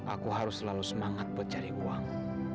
aku harus selalu semangat buat cari uang